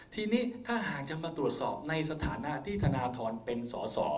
ทีนี้ถ้าหากจะมาตรวจสอบในสถานะที่ธนทรเป็นสอสอ